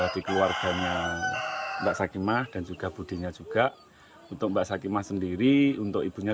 di keluarganya mbak sakimah dan juga budinya juga untuk mbak sakimah sendiri untuk ibunya